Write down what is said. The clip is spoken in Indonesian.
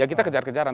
ya kita kejar kejaran